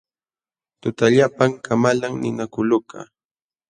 Tutallapam kamalan ninakulukaq.